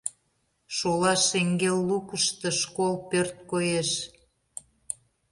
Шола шеҥгел лукышто школ пӧрт коеш.